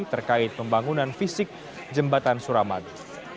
terkait pembangunan fisik jembatan suramadu